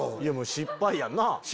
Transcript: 失敗やんな。